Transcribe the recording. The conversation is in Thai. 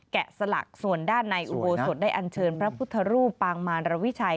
สลักส่วนด้านในอุโบสถได้อันเชิญพระพุทธรูปปางมารวิชัย